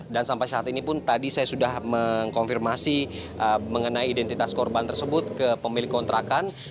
dan sampai saat ini pun tadi saya sudah mengkonfirmasi mengenai identitas korban tersebut ke pemilik kontrakan